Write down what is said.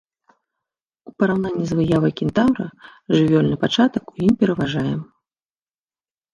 У параўнанні з выявай кентаўра жывёльны пачатак у ім пераважае.